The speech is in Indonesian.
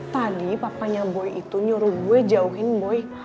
tadi papanya boy itu nyuruh gue jauhin boy